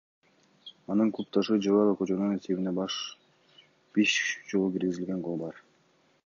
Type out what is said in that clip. Анын клубдашы Жоэла Кожонун эсебинде беш жолу киргизилген гол бар.